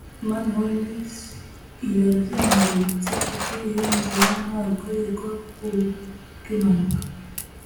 Manholes irazengurutse kuko iyo nzira ntabwo izagwa kubwimpanuka